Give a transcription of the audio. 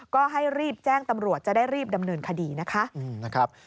ก็ให้รีบแจ้งตำรวจจะได้รีบดำเนินคดีนะคะ